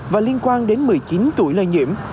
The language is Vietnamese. và liên quan đến một mươi chín tuổi lây nhiễm